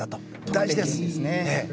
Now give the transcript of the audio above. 大事です。